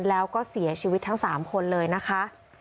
แล้วก็เสียชีวิตทั้ง๓คนเลยนะคะ